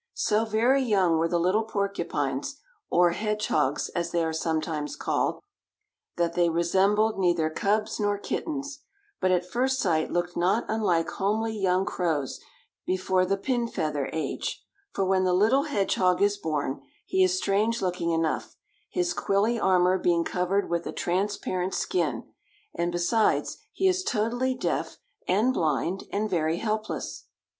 So very young were the little porcupines, or hedgehogs, as they are sometimes called, that they resembled neither cubs nor kittens, but at first sight looked not unlike homely young crows before the pin feather age; for when the little hedgehog is born, he is strange looking enough, his quilly armor being covered with a transparent skin; and besides, he is totally deaf and blind, and very helpless.